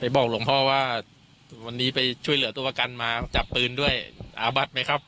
บอกหลวงพ่อว่าวันนี้ไปช่วยเหลือตัวประกันมาจับปืนด้วยอาบัดไหมครับ